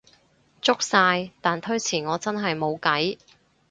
足晒，但推遲我真係無計